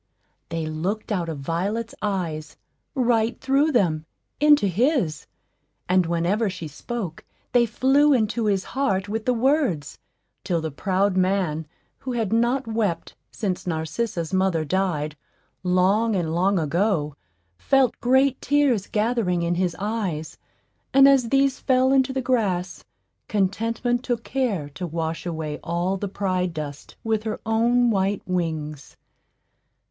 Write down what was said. They looked out of Violet's eyes, right through them, into his; and whenever she spoke they flew into his heart with the words, till the proud man, who had not wept since Narcissa's mother died, long and long ago, felt great tears gathering in his eyes; and as these fell into the grass, Contentment took care to wash away all the pride dust with her own white wings.